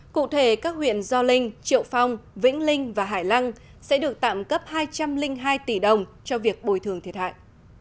cụ thể các huyện do linh triệu phong vĩnh linh và hải lăng sẽ được tạm cấp hai trăm linh hai tỷ đồng cho việc bồi thường thiệt hại